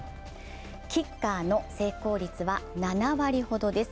キッカーの成功率は７割ほどです。